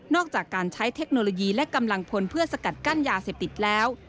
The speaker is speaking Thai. จากการใช้เทคโนโลยีและกำลังพลเพื่อสกัดกั้นยาเสพติดแล้ว